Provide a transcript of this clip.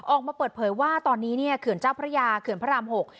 ออกมาเปิดเผยว่าตอนนี้เนี่ยเขื่อนเจ้าพระยาเขื่อนพระราม๖